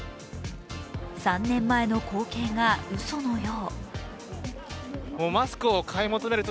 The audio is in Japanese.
３年前の光景がうそのよう。